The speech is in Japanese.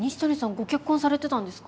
ご結婚されてたんですか？